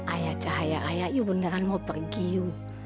ayah cahaya ayah ibu beneran mau pergi yuk